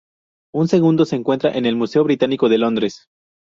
Un segundo se encuentra en el Museo Británico de Londres.